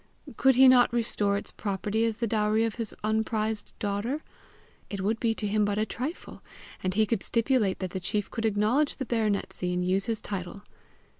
Could he not restore its property as the dowry of his unprized daughter! it would be to him but a trifle! and he could stipulate that the chief should acknowledge the baronetcy and use his title!